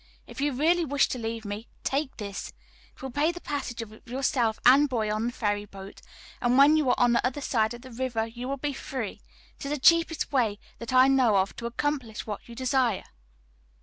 If you really wish to leave me, take this: it will pay the passage of yourself and boy on the ferry boat, and when you are on the other side of the river you will be free. It is the cheapest way that I know of to accomplish what you desire."